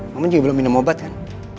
namun juga belum minum obat kan